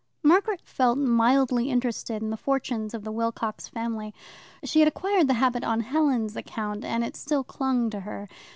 Margaret felt mildly interested in the fortunes of the Wilcox family. She had acquired the habit on Helen's account, and it still clung to her.